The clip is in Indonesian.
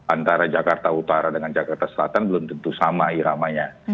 antara jakarta utara dengan jakarta selatan belum tentu sama iramanya